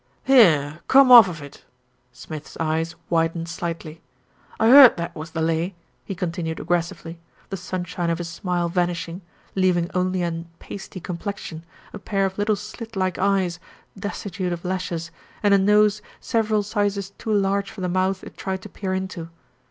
"Here, come orf of it!" Smith's eyes widened slightly. "I heard that was the lay," he continued aggres sively, the sunshine of his smile vanishing, leaving only a pasty complexion, a pair of little slit like eyes, des titute of lashes, and a nose several sizes too large for NERO IN DISGRACE 179 the mouth it tried to peer into.